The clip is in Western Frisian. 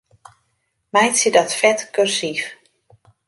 Meitsje dat fet kursyf.